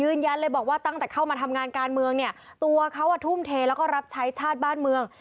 ยืนยันเลยบอกว่าตั้งแต่เข้ามาทำงานการเมืองเนี่ยตัวเขาทุ่มเทแล้วก็รับใช้ชาติบ้านเมือง